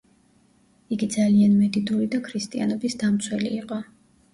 იგი ძალიან მედიდური და ქრისტიანობის დამცველი იყო.